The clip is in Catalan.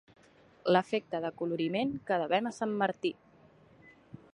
L'efecte d'acoloriment que devem a sant Martí.